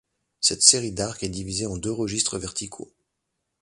Cette série d'arcs est divisée en deux registres verticaux.